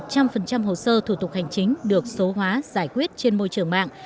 một trăm linh hồ sơ thủ tục hành chính được số hóa giải quyết trên môi trường mạng